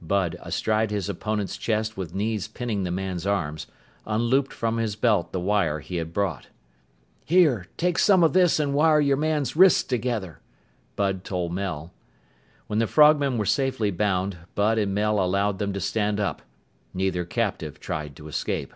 Bud, astride his opponent's chest with knees pinning the man's arms, unlooped from his belt the wire he had brought. "Here! Take some of this and wire your man's wrists together!" Bud told Mel. When the frogmen were safely bound, Bud and Mel allowed them to stand up. Neither captive tried to escape.